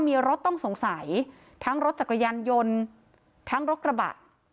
มีรถต้องสงสัยทั้งรถจักรยานยนต์ทั้งรถกระบะ